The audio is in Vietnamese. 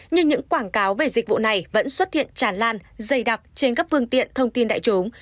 nhưng những quảng cáo về dịch vụ này vẫn xuất hiện tràn lan dày đặc trên các phương tiện thông tin đại chúng